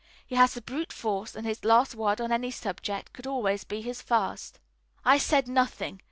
He has the brute force, and his last word on any subject could always be his fist." I said nothing.